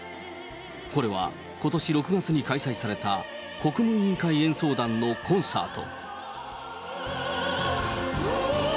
これはことし６月に開催された、国務委員会演奏団のコンサート。